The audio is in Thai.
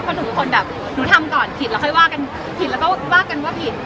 เพราะทุกคนแบบหนูทำก่อนผิดแล้วค่อยว่ากันผิดแล้วก็ว่ากันว่าผิด